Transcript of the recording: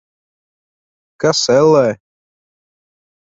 Kas, ellē?